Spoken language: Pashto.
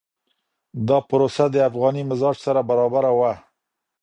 دا پروسه د افغاني مزاج سره برابره وه.